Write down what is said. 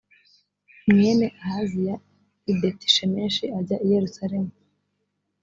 mwene ahaziya i betishemeshi ajya i yerusalemu